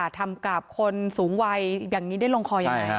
ทำกับคนสูงวัยได้ลงคอยังไง